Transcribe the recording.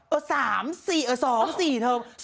๓๔เออ๒๔เธอ